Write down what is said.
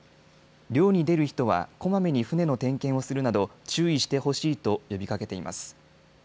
漁に出る人はこまめに船の点検をするなど注意してほしいと呼びかけています。